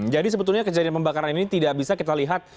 jadi sebetulnya kejadian pembakaran ini tidak bisa kita lihat